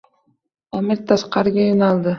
Аmir tashqariga yoʼnaldi.